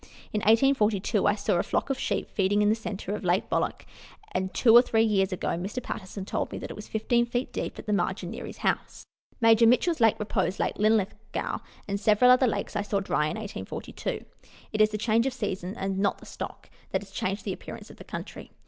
In 1842 I saw a flock of sheep feeding in the centre of Lake Bolac, and, two or three years ago, Mr. Patterson told me that it was 15 feet deep at the margin near his house. Major Mitchell's Lake Repose, Lake Linlithgow, and several other lakes I saw dry in 1842. It is the change of seasons, and not the stock, that has changed the appearance of the country.